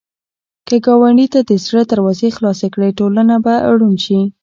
که ګاونډي ته د زړه دروازې خلاصې کړې، ټولنه به روڼ شي